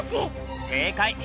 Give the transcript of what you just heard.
正解！